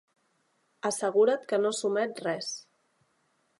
Assegura't que no s'omet res.